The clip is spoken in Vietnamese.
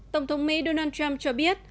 tổng thống mỹ donald trump cho biết